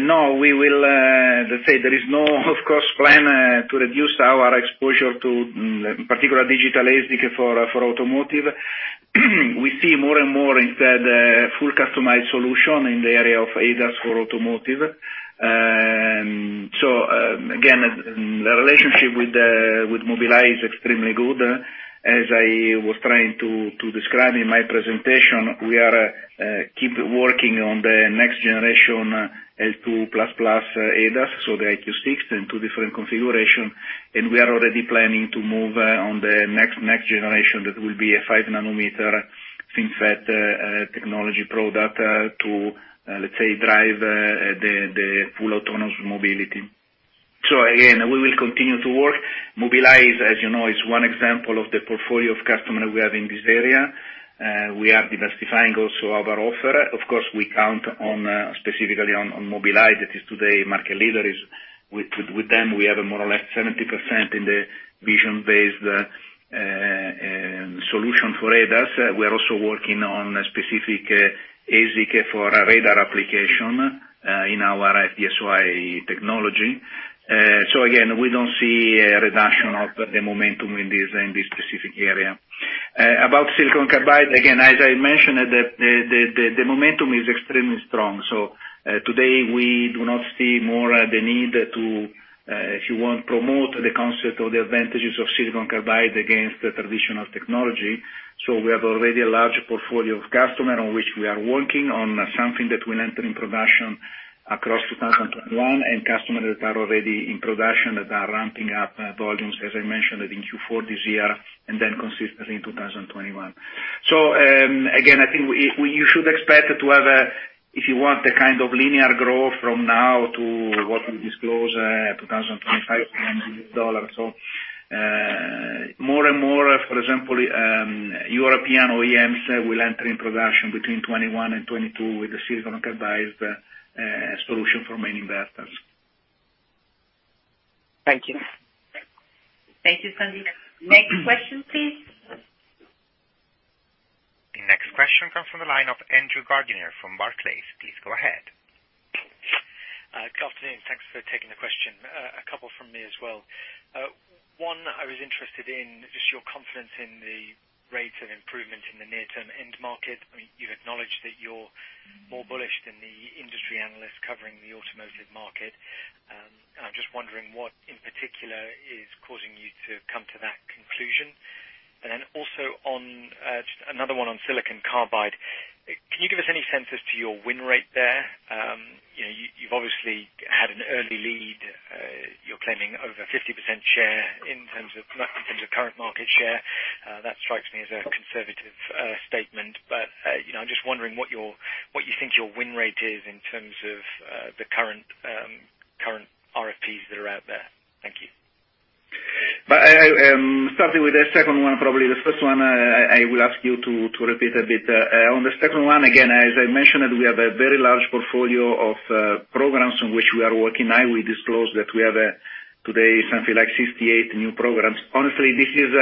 No, let's say there is no, of course, plan to reduce our exposure to particular digital ASIC for automotive. We see more and more, instead, full customized solution in the area of ADAS for automotive. Again, the relationship with Mobileye is extremely good. As I was trying to describe in my presentation, we are keep working on the next generation L2++ ADAS, so the EyeQ6 in two different configuration. We are already planning to move on the next generation. That will be a five nanometer FinFET technology product to, let's say, drive the full autonomous mobility. Again, we will continue to work. Mobileye, as you know, is one example of the portfolio of customer we have in this area. We are diversifying also our offer. Of course, we count specifically on Mobileye, that is today market leader. With them, we have a more or less 70% in the vision-based solution for ADAS. We're also working on a specific ASIC for our radar application, in our BCD technology. Again, we don't see a reduction of the momentum in this specific area. About silicon carbide, again, as I mentioned, the momentum is extremely strong. Today we do not see more the need to, if you want, promote the concept or the advantages of silicon carbide against the traditional technology. We have already a large portfolio of customer on which we are working on something that will enter in production across 2021, and customers that are already in production that are ramping up volumes, as I mentioned, in Q4 this year, and then consistently in 2021. Again, I think you should expect to have a, if you want, a kind of linear growth from now to what we disclose 2025. More and more, for example, European OEMs will enter in production between 2021 and 2022 with the silicon carbide solution for many inverters. Thank you. Thank you, Sandeep. Next question, please. The next question comes from the line of Andrew Gardiner from Barclays. Please go ahead. Good afternoon. Thanks for taking the question. A couple from me as well. One, I was interested in just your confidence in the rate of improvement in the near term end market. You've acknowledged that you're more bullish than the industry analysts covering the automotive market. I'm just wondering what, in particular, is causing you to come to that conclusion. Also, just another one on silicon carbide. Can you give us any sense as to your win rate there? You've obviously had an early lead. You're claiming over 50% share in terms of current market share. That strikes me as a conservative statement. I'm just wondering what you think your win rate is in terms of the current RFPs that are out there. Thank you. Starting with the second one, probably. The first one, I will ask you to repeat a bit. On the second one, again, as I mentioned, we have a very large portfolio of programs in which we are working. I will disclose that we have, today, something like 68 new programs. Honestly, this is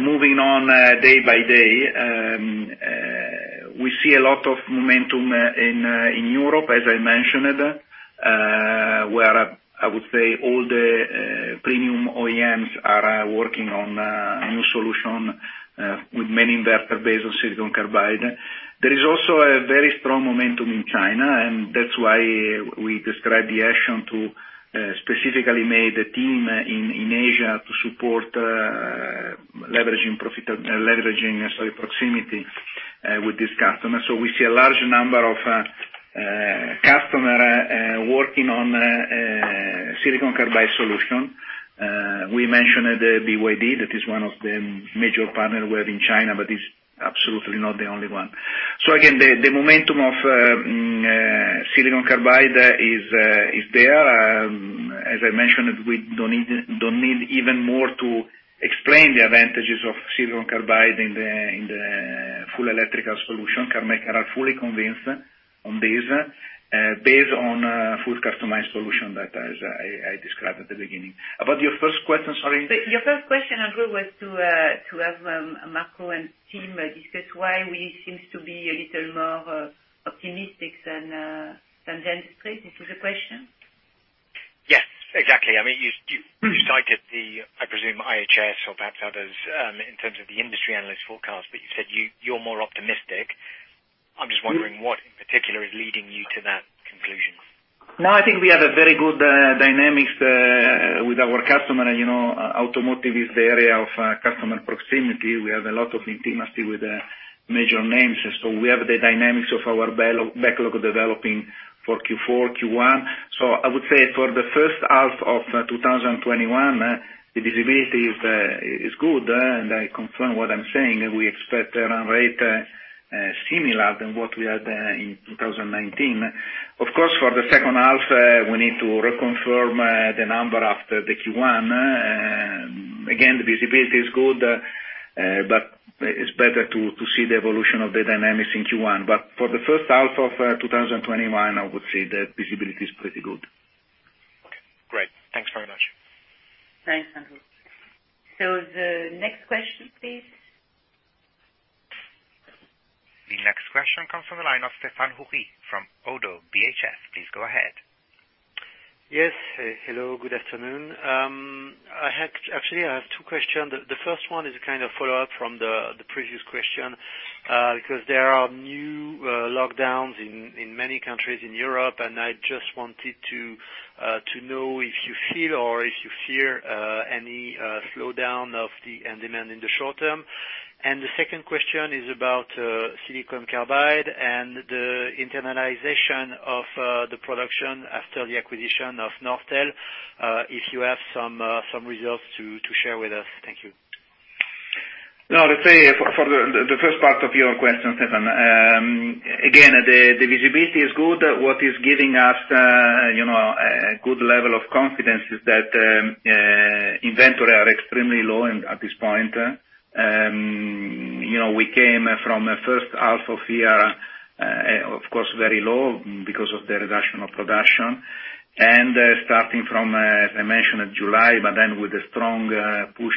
moving on day by day. We see a lot of momentum in Europe, as I mentioned, where I would say all the premium OEMs are working on a new solution, with many inverter base of silicon carbide. There is also a very strong momentum in China. That's why we describe the action to specifically made a team in Asia to support leveraging proximity with this customer. We see a large number of customer working on silicon carbide solution. We mentioned the BYD, that is one of the major partner we have in China, is absolutely not the only one. Again, the momentum of silicon carbide is there. As I mentioned, we don't need even more to explain the advantages of silicon carbide in the full electrical solution. Car maker are fully convinced on this, based on full customized solution that as I described at the beginning. About your first question, sorry? Your first question, Andrew, was to have Marco and team discuss why we seems to be a little more optimistic than the industry. This was the question? Yes, exactly. You cited the, I presume, IHS or perhaps others, in terms of the industry analyst forecast, but you said you're more optimistic. I'm just wondering what, in particular, is leading you to that conclusion. I think we have a very good dynamics with our customer. Automotive is the area of customer proximity. We have a lot of intimacy with the major names. We have the dynamics of our backlog developing for Q4, Q1. I would say for the first half of 2021, the visibility is good, and I confirm what I'm saying, we expect run rate similar than what we had in 2019. Of course, for the second half, we need to reconfirm the number after the Q1. The visibility is good, but it's better to see the evolution of the dynamics in Q1. For the first half of 2021, I would say the visibility is pretty good. Okay, great. Thanks very much. Thanks, Andrew. The next question, please. The next question comes from the line of Stéphane Houri from Oddo BHF. Please go ahead. Yes. Hello, good afternoon. Actually, I have two questions. The first one is a kind of follow-up from the previous question. Because there are new lockdowns in many countries in Europe, and I just wanted to know if you feel, or if you fear any slowdown of the demand in the short term. The second question is about silicon carbide and the internalization of the production after the acquisition of Norstel, if you have some results to share with us. Thank you. Let's say, for the first part of your question, Stéphane. The visibility is good. What is giving us a good level of confidence is that inventory are extremely low at this point. We came from a first half of year, of course, very low because of the reduction of production. Starting from, as I mentioned, July, then with a strong push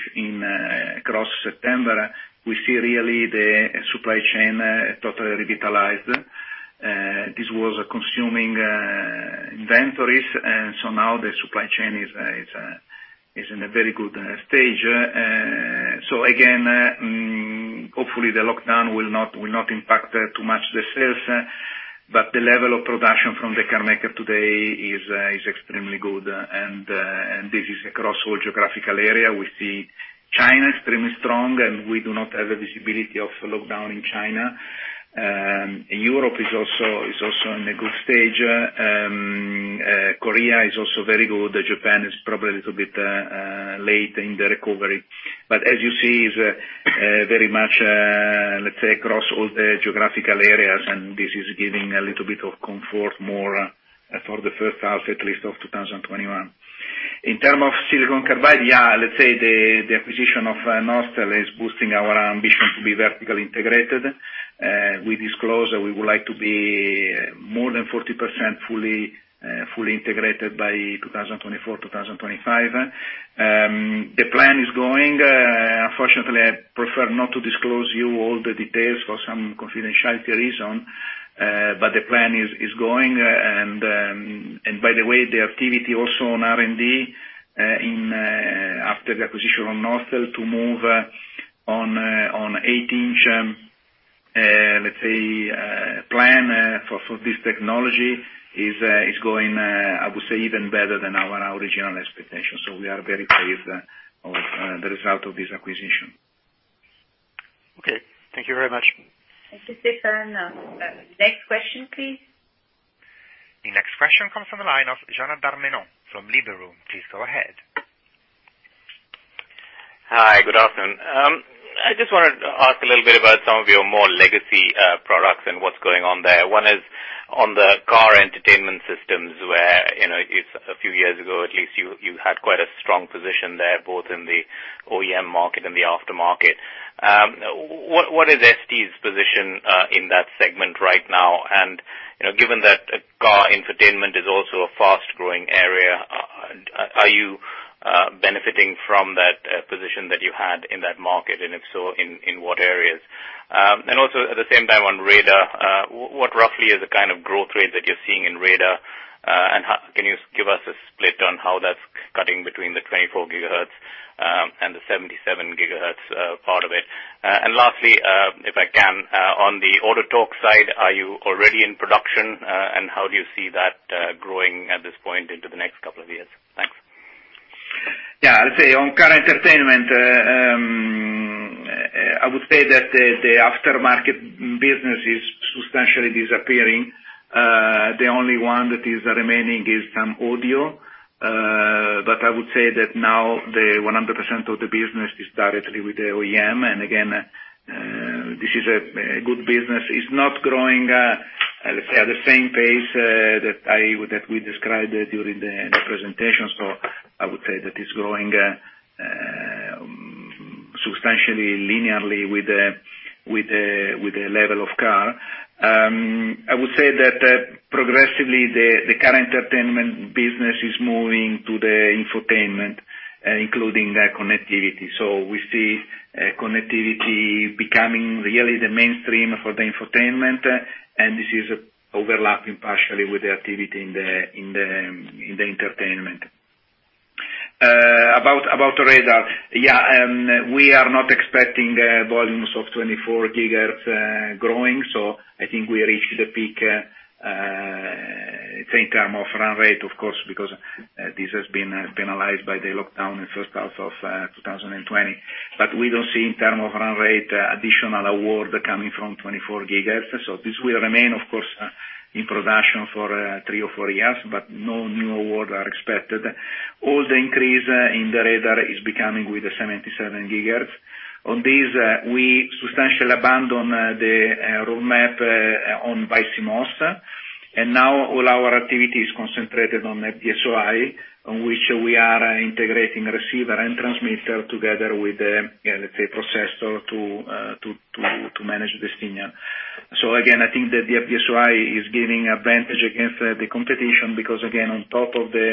across September, we see really the supply chain totally revitalized. This was consuming inventories, now the supply chain is in a very good stage. Hopefully, the lockdown will not impact too much the sales. The level of production from the car maker today is extremely good, and this is across all geographical area. We see China extremely strong, we do not have the visibility of the lockdown in China. In Europe it's also in a good stage. Korea is also very good. Japan is probably a little bit late in the recovery. As you see, is very much, let's say, across all the geographical areas, and this is giving a little bit of comfort more for the first half, at least, of 2021. In terms of silicon carbide, yeah, let's say the acquisition of Norstel is boosting our ambition to be vertically integrated. We disclose that we would like to be more than 40% fully integrated by 2024, 2025. The plan is going. Unfortunately, I prefer not to disclose you all the details for some confidentiality reason. The plan is going. By the way, the activity also on R&D, after the acquisition on Norstel to move on 8-inch, let's say, plan for this technology is going, I would say, even better than our original expectation. We are very pleased of the result of this acquisition. Okay. Thank you very much. Thank you, Stéphane. Next question, please. The next question comes from the line of Janardan Menon from Liberum. Please go ahead. Hi, good afternoon. I just wanted to ask a little bit about some of your more legacy products and what's going on there. One is on the car entertainment systems, where a few years ago at least, you had quite a strong position there, both in the OEM market and the aftermarket. What is ST's position in that segment right now? Given that car infotainment is also a fast-growing area, are you benefiting from that position that you had in that market, and if so, in what areas? Also at the same time on radar, what roughly is the kind of growth rate that you're seeing in radar? Can you give us a split on how that's cutting between the 24 GHz and the 77 GHz part of it? Lastly, if I can, on the Autotalks side, are you already in production? How do you see that growing at this point into the next couple of years? Thanks. Yeah. I'd say on car entertainment, I would say that the aftermarket business is substantially disappearing. The only one that is remaining is some audio. I would say that now the 100% of the business is directly with the OEM. Again, this is a good business. It's not growing at the same pace that we described during the presentation. I would say that it's growing substantially linearly with the level of car. I would say that progressively, the car entertainment business is moving to the infotainment, including the connectivity. We see connectivity becoming really the mainstream for the infotainment, and this is overlapping partially with the activity in the entertainment. About radar. Yeah, we are not expecting volumes of 24 GHz growing, so I think we reached the peak, think term of run rate, of course, because this has been penalized by the lockdown in first half of 2020. We don't see, in term of run rate, additional award coming from 24 GHz. This will remain, of course, in production for three or four years, but no new award are expected. All the increase in the radar is becoming with the 77 GHz. On this, we substantially abandon the roadmap on BiCMOS. Now, all our activity is concentrated on FD-SOI, on which we are integrating receiver and transmitter together with, let's say, processor to manage the signal. Again, I think that the FD-SOI is giving advantage against the competition because again, on top of the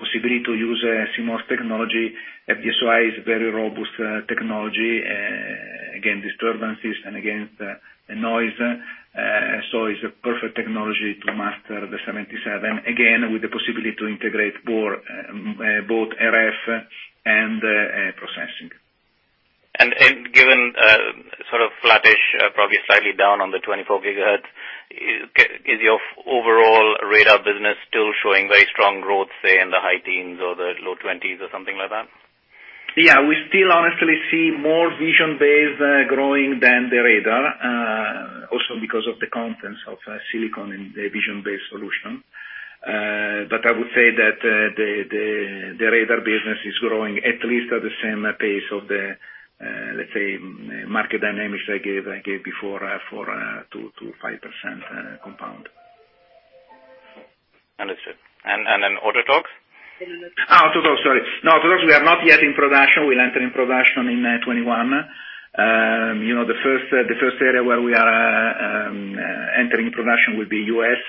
possibility to use CMOS technology, FD-SOI is a very robust technology against disturbances and against noise. It's a perfect technology to master the 77. Again, with the possibility to integrate both RF and processing. Given sort of flattish, probably slightly down on the 24 GHz, is your overall radar business still showing very strong growth, say in the high teens or the low twenties or something like that? Yeah. We still honestly see more vision-based growing than the radar. Because of the contents of silicon in the vision-based solution. I would say that the radar business is growing at least at the same pace of the, let's say, market dynamics I gave before, for 2%-5% compound. Understood. Autotalks? Autotalks, sorry. Autotalks, we are not yet in production. We'll enter in production in 2021. The first area where we are entering production will be U.S.,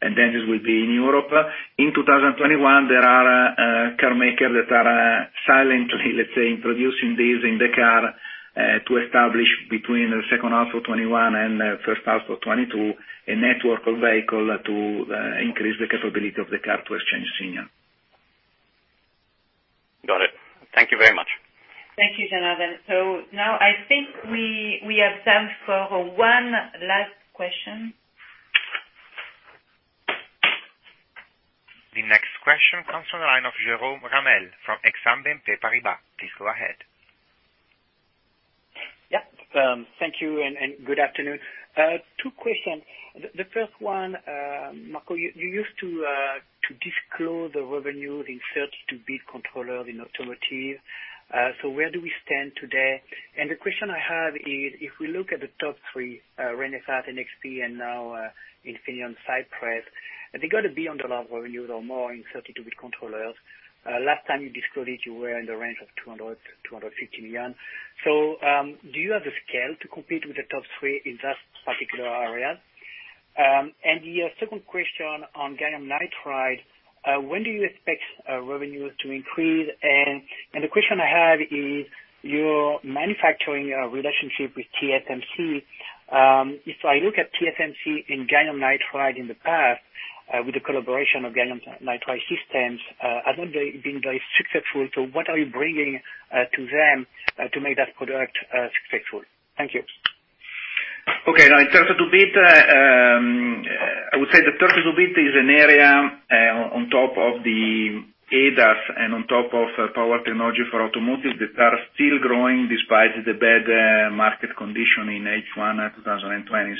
and then it will be in Europe. In 2021, there are car makers that are silently, let's say, introducing these in the car to establish between the second half of 2021 and first half of 2022, a network of vehicle to increase the capability of the car to exchange signal. Got it. Thank you very much. Thank you, Janardan. Now, I think we have time for one last question. The next question comes from the line of Jérôme Ramel from Exane BNP Paribas. Please go ahead. Thank you. Good afternoon. Two questions. The first one, Marco, you used to disclose the revenue in 32-bit controller in automotive. Where do we stand today? The question I have is, if we look at the top three, Renesas, NXP, and now Infineon Cypress, they're going to be on the level of revenues or more in 32-bit controllers. Last time you disclosed it, you were in the range of $200 million-$250 million. Do you have the scale to compete with the top three in that particular area? The second question on gallium nitride. When do you expect revenues to increase? The question I have is, your manufacturing relationship with TSMC. If I look at TSMC and gallium nitride in the past, with the collaboration of GaN Systems, hasn't been very successful. What are you bringing to them to make that product successful? Thank you. Okay. In terms of the bit, I would say the 32-bit is an area on top of the ADAS and on top of power technology for automotive that are still growing despite the bad market condition in H1 2020.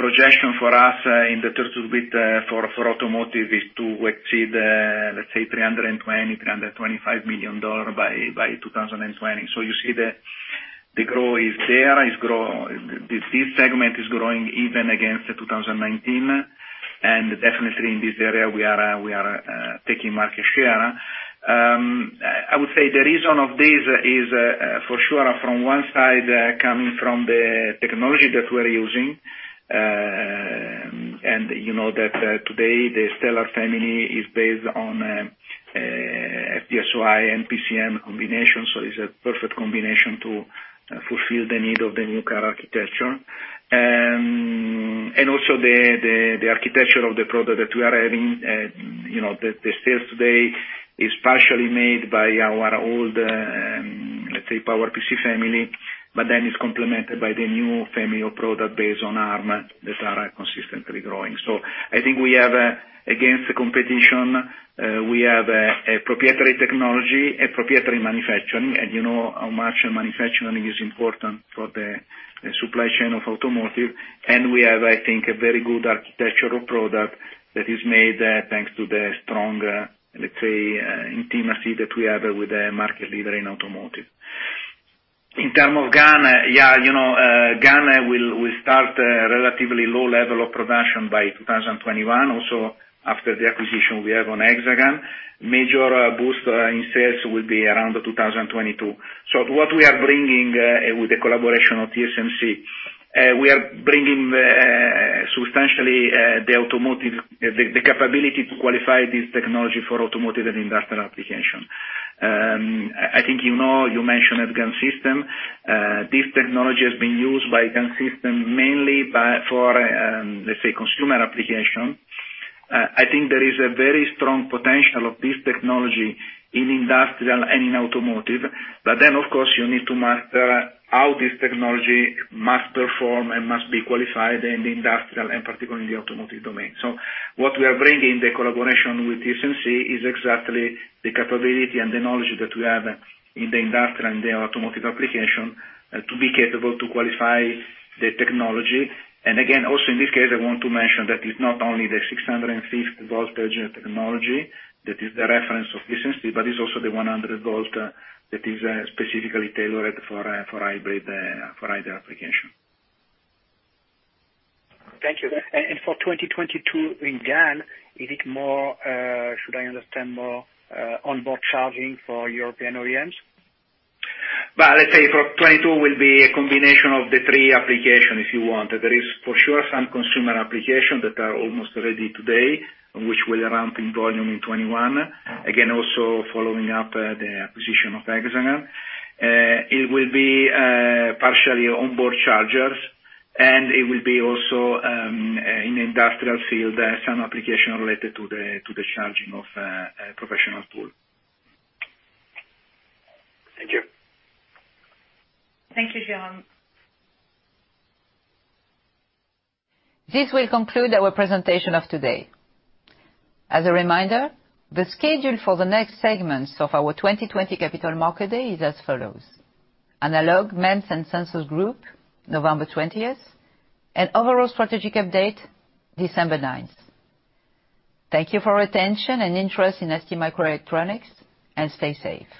Projection for us in the 32-bit for automotive is to exceed, let's say $320 million-$325 million by 2020. You see the growth is there. This segment is growing even against the 2019. Definitely in this area, we are taking market share. I would say the reason of this is, for sure from one side, coming from the technology that we're using. You know that today, the Stellar family is based on FD-SOI and PCM combination. It's a perfect combination to fulfill the need of the new car architecture. The architecture of the product that we are having, the sales today, is partially made by our old, let's say, PowerPC family, it's complemented by the new family of product based on Arm that are consistently growing. I think we have, against the competition, we have a proprietary technology, a proprietary manufacturing, and you know how much manufacturing is important for the supply chain of automotive. We have, I think, a very good architectural product that is made thanks to the strong, let's say, intimacy that we have with the market leader in automotive. In term of GaN will start a relatively low level of production by 2021. After the acquisition we have on Exagan, major boost in sales will be around 2022. What we are bringing with the collaboration of TSMC, we are bringing substantially the capability to qualify this technology for automotive and industrial application. I think you know, you mentioned it, GaN Systems. This technology has been used by GaN Systems mainly for, let's say, consumer application. I think there is a very strong potential of this technology in industrial and in automotive. Of course, you need to master how this technology must perform and must be qualified in the industrial and particularly automotive domain. What we are bringing, the collaboration with TSMC, is exactly the capability and the knowledge that we have in the industrial and the automotive application to be capable to qualify the technology. Again, also in this case, I want to mention that it's not only the 650 voltage technology that is the reference of TSMC, but it's also the 100 volts that is specifically tailored for hybrid application. Thank you. For 2022 in GaN, is it more, should I understand more onboard charging for European OEMs? Let's say for 2022 will be a combination of the three application, if you want. There is, for sure, some consumer application that are almost ready today, which will ramp in volume in 2021. Again, also following up the acquisition of Exagan. It will be partially onboard chargers, and it will be also in industrial field, some application related to the charging of professional tool. Thank you. Thank you, Jérôme. This will conclude our presentation of today. As a reminder, the schedule for the next segments of our 2020 Capital Market Day is as follows: Analog, MEMS and Sensors Group, November 20th, and overall strategic update, December 9th. Thank you for your attention and interest in STMicroelectronics, and stay safe.